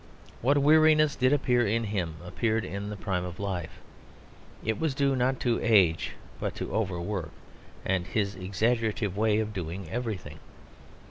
What weariness did appear in him appeared in the prime of life; it was due not to age but to overwork, and his exaggerative way of doing everything.